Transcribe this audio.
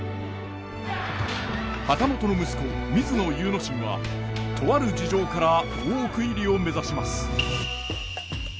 旗本の息子水野祐之進はとある事情から大奥入りを目指します。